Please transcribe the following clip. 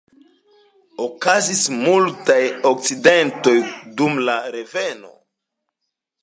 Okazis multaj akcidentoj dum la reveno.